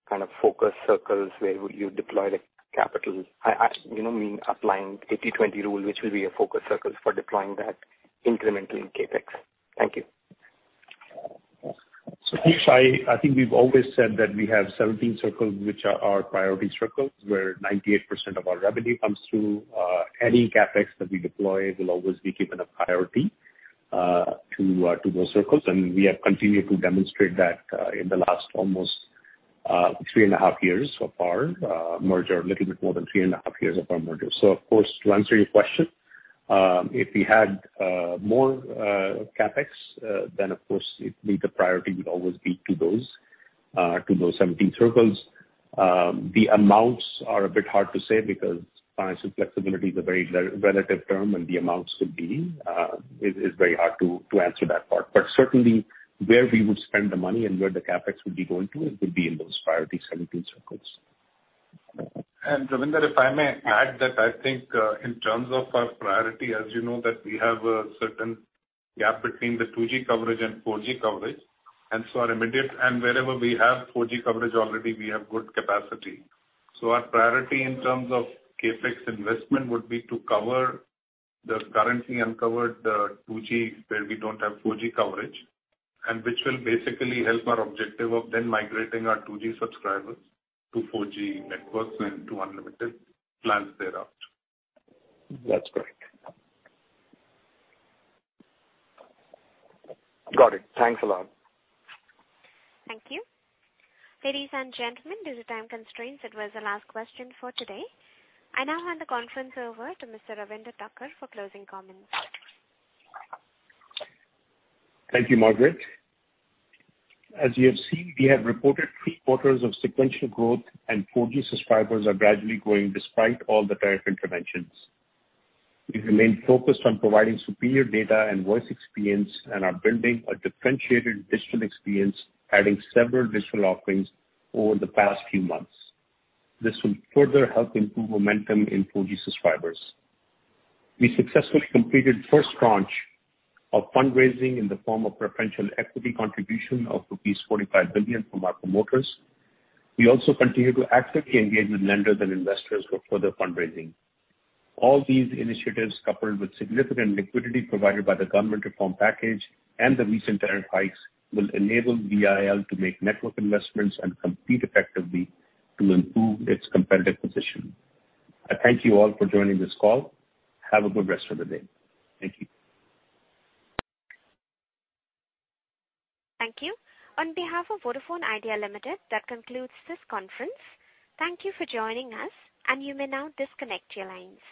kind of focus circles, where would you deploy the capital? I, you know me applying 80/20 rule, which will be a focus circle for deploying that incremental in CapEx. Thank you. Piyush, I think we've always said that we have 17 circles which are our priority circles, where 98% of our revenue comes through. Any CapEx that we deploy will always be given a priority to those circles. We have continued to demonstrate that in the last almost three and half years of our merger, a little bit more than 3.5 years of our merger. Of course, to answer your question, if we had more CapEx, then of course it means the priority would always be to those 17 circles. The amounts are a bit hard to say because financial flexibility is a very relative term, and the amounts would be is very hard to answer that part. Certainly where we would spend the money and where the CapEx would be going to, it would be in those priority 17 circles. Ravinder, if I may add that I think, in terms of our priority, as you know, that we have a certain gap between the 2G coverage and 4G coverage. Wherever we have 4G coverage already, we have good capacity. Our priority in terms of CapEx investment would be to cover the currently uncovered 2G, where we don't have 4G coverage, and which will basically help our objective of then migrating our 2G subscribers to 4G networks and to unlimited plans thereafter. That's correct. Got it. Thanks a lot. Thank you. Ladies and gentlemen, due to time constraints, that was the last question for today. I now hand the conference over to Mr. Ravinder Takkar for closing comments. Thank you, Margaret. As you have seen, we have reported three quarters of sequential growth, and 4G subscribers are gradually growing despite all the tariff interventions. We've remained focused on providing superior data and voice experience and are building a differentiated digital experience, adding several digital offerings over the past few months. This will further help improve momentum in 4G subscribers. We successfully completed first tranche of fundraising in the form of preferential equity contribution of rupees 45 billion from our promoters. We also continue to actively engage with lenders and investors for further fundraising. All these initiatives, coupled with significant liquidity provided by the government reform package and the recent tariff hikes, will enable VIL to make network investments and compete effectively to improve its competitive position. I thank you all for joining this call. Have a good rest of the day. Thank you. Thank you. On behalf of Vodafone Idea Limited, that concludes this conference. Thank you for joining us, and you may now disconnect your lines.